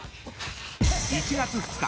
［１月２日。